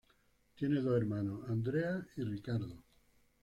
Tiene dos hermanos, Andrea y Ricardo.